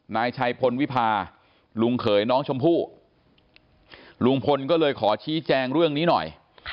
นายชัยพลวิพาลุงเขยน้องชมพู่ลุงพลก็เลยขอชี้แจงเรื่องนี้หน่อย